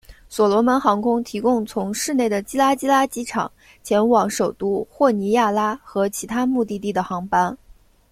所罗门航空提供从市内的基拉基拉机场前往首都霍尼亚拉和其他目的地的航班。